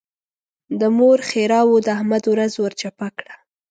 د مور ښېراوو د احمد ورځ ور چپه کړه.